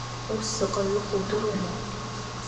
Ус заҟаҩы ыҟоу удыруама.